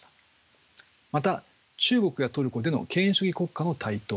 また中国やトルコでの権威主義国家の台頭